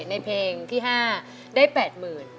ในเพลงที่๕ได้๘๐๐๐บาท